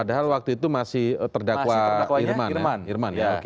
padahal waktu itu masih terdakwa irman ya